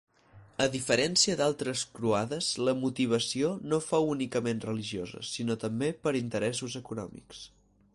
A diferència d'altres croades la motivació no fou únicament religiosa, sinó també per interessos econòmics.